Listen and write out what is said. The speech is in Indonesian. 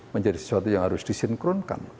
menjadi sesuatu yang harus disinkronkan